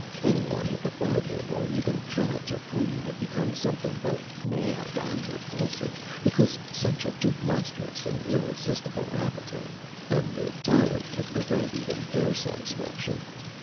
Anyone who defied him or even tried to flee would become something both mad and repulsive, because subject to monstrous and irresistible appetite. And the tyrant could prevent even their satisfaction!